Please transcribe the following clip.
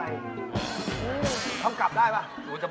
ไปไหนมาไปไหนมาปลาไหนใหม่ครับผม